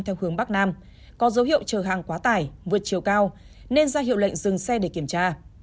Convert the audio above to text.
theo hướng bắc nam có dấu hiệu chở hàng quá tải vượt chiều cao nên ra hiệu lệnh dừng xe để kiểm tra